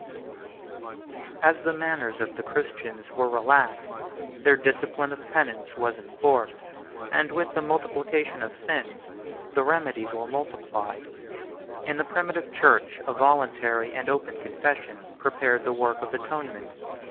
] As the manners of the Christians were relaxed, their discipline of penance 22 was enforced; and with the multiplication of sins, the remedies were multiplied. In the primitive church, a voluntary and open confession prepared the work of atonement.